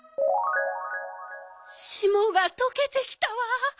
しもがとけてきたわ。